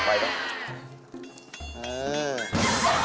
ไปละ